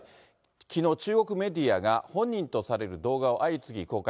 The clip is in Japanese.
きのう、中国メディアが本人とされる動画を相次ぎ公開。